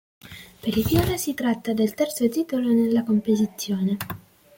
Per i viola si tratta del terzo titolo nella competizione.